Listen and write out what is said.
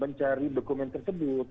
mencari dokumen tersebut